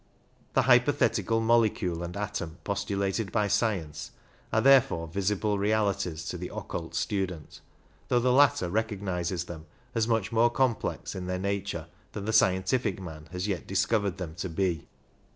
The hypothetical molecule and atom postulated by science are therefore visible realities to the occult student, though the latter recognizes them as much more complex in their nature than the scientific man has yet discovered them to be.